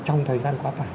trong thời gian quá tải